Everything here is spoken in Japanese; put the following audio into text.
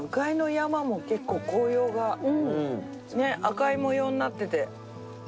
ねっ赤い模様になってて。